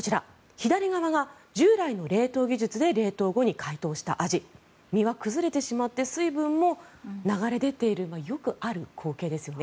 左側が従来の冷凍技術で冷凍後に解凍したアジ身は崩れてしまって水分も流れ出ているよくある光景ですよね。